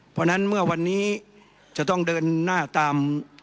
เพราะฉะนั้นเมื่อวันนี้จะต้องเดินหน้าตาม